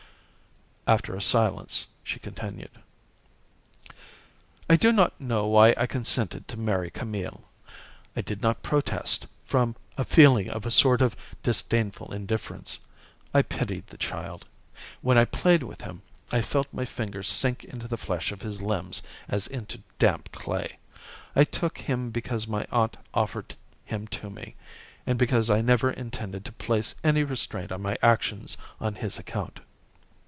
After a silence, she continued: "I do not know why I consented to marry Camille. I did not protest, from a feeling of a sort of disdainful indifference. I pitied the child. When I played with him, I felt my fingers sink into the flesh of his limbs as into damp clay. I took him because my aunt offered him to me, and because I never intended to place any restraint on my actions on his account.